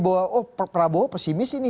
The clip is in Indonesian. bahwa oh prabowo pesimis ini